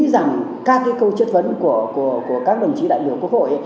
các cái câu chất vấn của các đồng chí đại biểu quốc hội